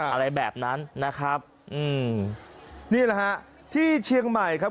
อะไรแบบนั้นนะครับอืมนี่แหละฮะที่เชียงใหม่ครับ